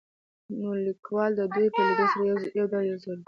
نو ليکوال د دوي په ليدو سره يو ډول ځوريږي.